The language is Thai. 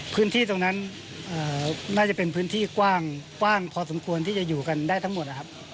พื้นที่ตรงนั้นน่าจะเป็นพื้นที่กว้างพอสมควรที่จะอยู่กันได้ทั้งหมดนะครับ